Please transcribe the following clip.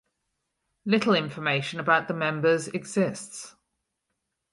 Little information about the members exists.